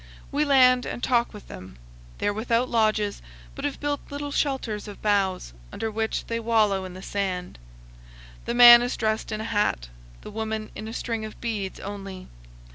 We land and talk with them. They are without lodges, but have built little shelters of boughs, under which' they wallow in the sand. The man is dressed in a hat; the woman, in a string of beads only.